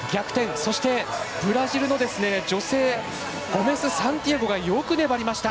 そして、ブラジルの女性ゴメスサンティアゴがよく粘りました。